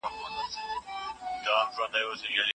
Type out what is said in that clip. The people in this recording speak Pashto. چیرته چي ټولنیز اړخونه مهم وي، هلته پوهه اسانه کیږي؟